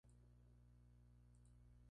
Okita demostró ser un prodigio con la espada.